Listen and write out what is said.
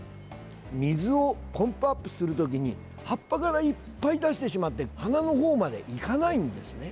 水をポンプアップする時に葉っぱからいっぱい出してしまって花の方までいかないんですね。